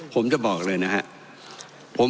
ผมจะบอกเลยนะครับ